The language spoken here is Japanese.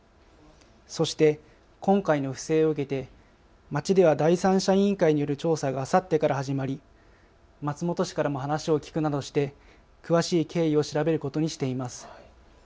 そして今回の不正を受けて町では第三者委員会による調査があさってから始まり松本氏からも話を聞くなどして詳しい経緯を調べることにしています。